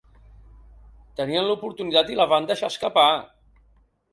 Tenien l’oportunitat i la van deixar escapar.